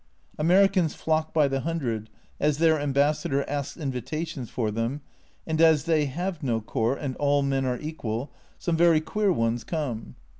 Americans flock by the hundred, as their Ambassador asks invitations for them, and as they have no court and " all men are equal," some very queer ones come.